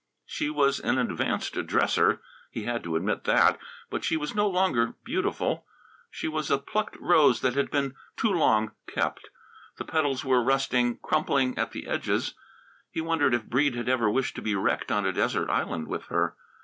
She was an advanced dresser he had to admit that but she was no longer beautiful. She was a plucked rose that had been too long kept; the petals were rusting, crumpling at the edges. He wondered if Breede had ever wished to be wrecked on a desert island with her.